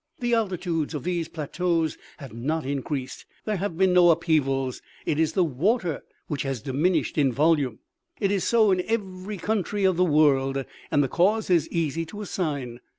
The altitudes of these plateaus have not increased, there have been no upheavals ; it is the water which has diminished in volume. "It is so in every country of the world, and the cause is easy to assign.